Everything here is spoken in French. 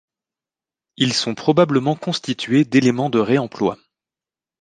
Ils sont probablement constitués d'éléments de réemploi.